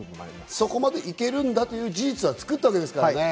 そこまで行けるという事実を作ったわけですからね。